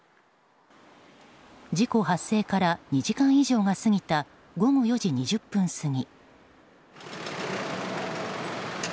事故発生から２時間以上が過ぎた午後４時２０分過ぎ。